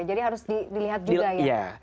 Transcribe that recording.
harus dilihat juga ya